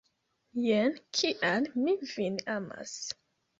Jen kial mi vin amas!